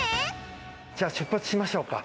じゃあ出発しましょうか。